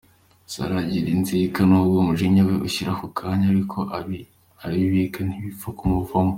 Sarah agira inzika nubwo umujinya we ushira ako kanya ariko arabibika ntibipfa kumuvamo.